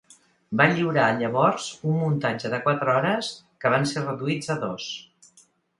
Va lliurar llavors un muntatge de quatre hores que van ser reduïts a dos.